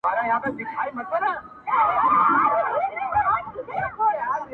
وچ لانده بوټي يې ټوله سوځوله.!